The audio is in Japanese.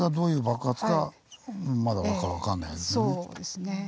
そうですね。